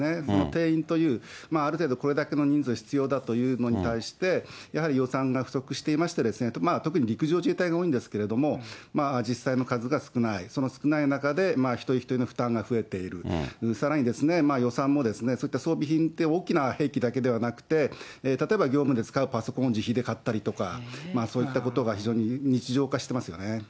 定員という、ある程度、これだけの人数必要だというのに対して、やはり予算が不足していまして、特に陸上自衛隊が多いんですけれども、実際の数が少ない、その少ない中で、一人一人の負担が増えている、さらに予算も、そういった装備品って、大きな兵器だけではなくて、例えば業務で使うパソコンを自費で買ったりとか、そういったことが非常に日常化してますよね。